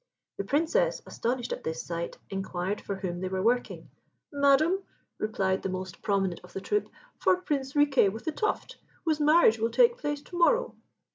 The Princess, astonished at this sight, inquired for whom they were working. "Madam," replied the most prominent of the troop, "for Prince Riquet with the Tuft, whose marriage will take place to morrow."